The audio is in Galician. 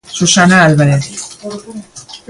Susana Álvarez.